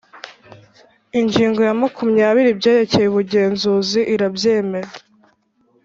ingingo ya makumyabiri ibyerekeye ubugenzuzi irabyemera